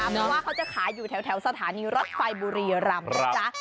เพราะว่าเขาจะขายอยู่แถวสถานีรถไฟบุรีรำนะจ๊ะ